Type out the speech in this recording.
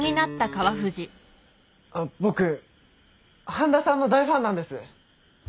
僕半田さんの大ファンなんです。